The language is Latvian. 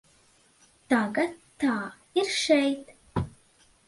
Tagad tā ir šeit.